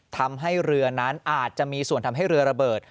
ทำให้เรือนั้นอาจจะมีส่วนทำให้เรือระเบิด